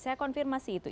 saya konfirmasi itu